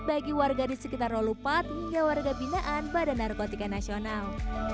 bagi warga di sekitar rolupat hingga warga binaan badan narkotika nasional